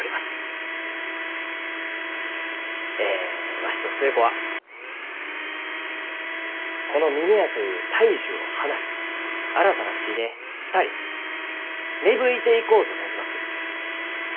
えわしと寿恵子はこの峰屋という大樹を離れ新たな地で２人芽吹いていこうと存じます。